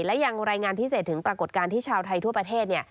และยังรายงานพิเศษถึงปรากฏการณ์ที่ชาวไทยทั่วประเทศ